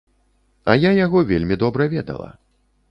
А я яго вельмі добра ведала.